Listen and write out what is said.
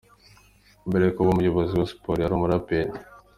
Mbere yo kuba umuyobozi wa siporo yari umuraperi